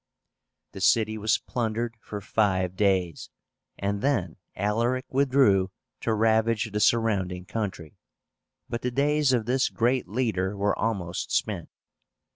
The city was plundered for five days, and then Alaric withdrew to ravage the surrounding country. But the days of this great leader were almost spent.